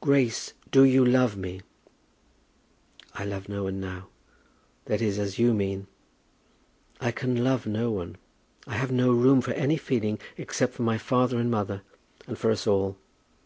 "Grace, do you love me?" "I love no one now, that is, as you mean. I can love no one. I have no room for any feeling except for my father and mother, and for us all.